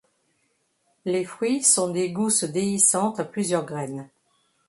Les fruits sont des gousses déhiscentes à plusieurs graines.